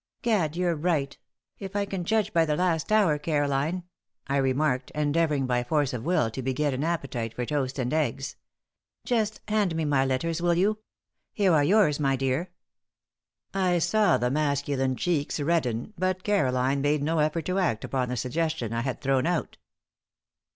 "Gad, you're right if I can judge by the last hour, Caroline," I remarked, endeavoring by force of will to beget an appetite for toast and eggs. "Just hand me my letters, will you? Here are yours, my dear." I saw the masculine cheeks redden, but Caroline made no effort to act upon the suggestion that I had thrown out.